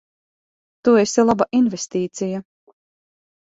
Tu esi laba investīcija.